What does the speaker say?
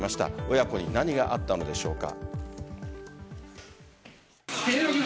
親子に何があったのでしょうか。